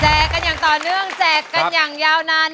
กันอย่างต่อเนื่องแจกกันอย่างยาวนาน